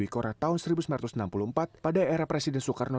di kora tahun seribu sembilan ratus enam puluh empat pada era presiden soekarno